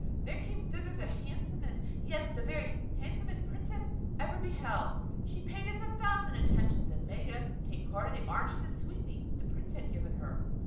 There came thither the handsomest, yes, the very handsomest princess ever beheld! She paid us a thousand attentions, and made us take a part of the oranges and sweetmeats the prince had given her."